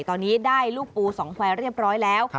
ตอนนี้ได้ลูกปูสองแควร์เรียบร้อยแล้ว